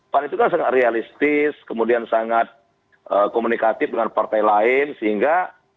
pan itu kan sangat realistis kemudian sangat komunikatif dengan partai lain sehingga